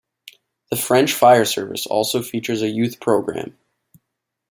The French fire service also features a youth program.